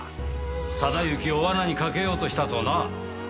定行を罠にかけようとしたとな。